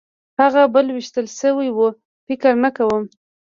هغه بل وېشتل شوی و؟ فکر نه کوم.